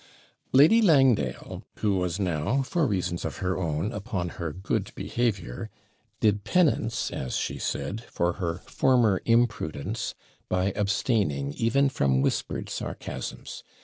Lady Langdale, who was now, for reasons of her own, upon her good behaviour, did penance, as she said, for her former imprudence, by abstaining even from whispered sarcasms.